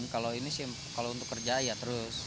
kalau ini sih kalau untuk kerja ya terus